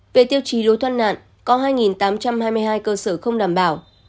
về tiêu chí lối thoát nạn có hai tám trăm hai mươi hai cơ sở không đảm bảo